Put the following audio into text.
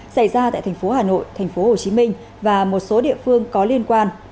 xảy ra tại tp hà nội tp hồ chí minh và một số địa phương có liên quan